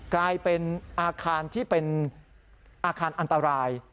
กลายเป็นอาคารที่เป็นอาคารอันตราย